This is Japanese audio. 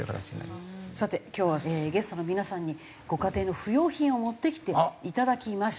さて今日はゲストの皆さんにご家庭の不要品を持ってきていただきました。